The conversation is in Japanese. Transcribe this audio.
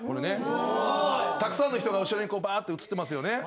たくさんの人が後ろに写ってますよね。